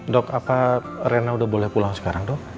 dok apa rena udah boleh pulang sekarang dok